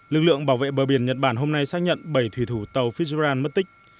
lực lượng bảo vệ bờ biển nhật bản hôm nay xác nhận bảy thủy thủ tàu fizheran mất tích